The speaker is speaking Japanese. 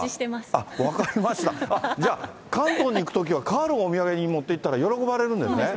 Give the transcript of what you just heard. あっ、じゃあ、関東に行くときは、カールをお土産に持っていったら喜ばれるんですね。